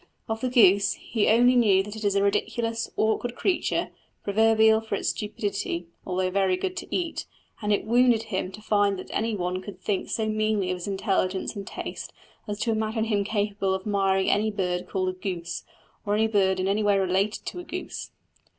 Of the goose, he only knew that it is a ridiculous, awkward creature, proverbial for its stupidity, although very good to eat; and it wounded him to find that any one could think so meanly of his intelligence and taste as to imagine him capable of greatly admiring any bird called a goose, or any bird in any way related to a goose.